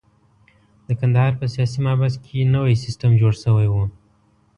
د کندهار په سیاسي محبس کې نوی سیستم جوړ شوی وو.